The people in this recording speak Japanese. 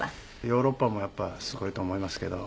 ヨーロッパもやっぱりすごいと思いますけど。